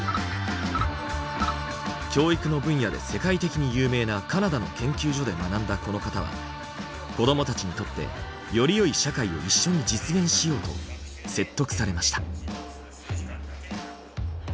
教育の分野で世界的に有名なカナダの研究所で学んだこの方は「子どもたちにとってよりよい社会を一緒に実現しよう」と説得されました。